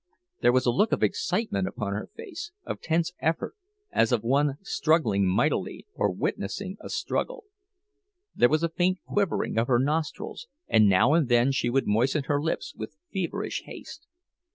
There was a look of excitement upon her face, of tense effort, as of one struggling mightily, or witnessing a struggle. There was a faint quivering of her nostrils; and now and then she would moisten her lips with feverish haste.